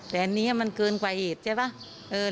แต่อันนี้มันเกินกว่าเหตุใช่ป่ะ